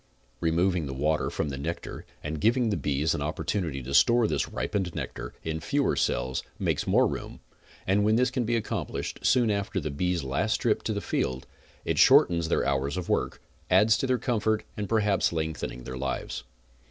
Removing the water from the nectar and giving the bees an opportunity to store this ripened nectar in fewer cells makes more room, and when this can be accomplished soon after the bees' last trip to the field, it shortens their hours of work, adds to their comfort and perhaps lengthening their lives.